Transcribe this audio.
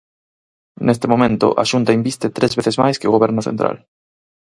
Neste momento a Xunta inviste tres veces máis que o Goberno central.